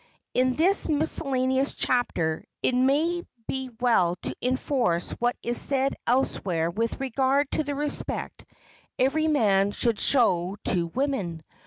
In this miscellaneous chapter it may be well to enforce what is said elsewhere with regard to the respect every man should show to women.